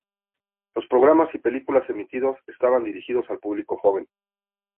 Los programas y películas emitidos estaban dirigidos al público joven.